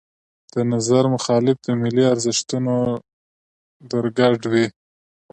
د نظر مخالف د ملي ارزښتونو درګډ وي.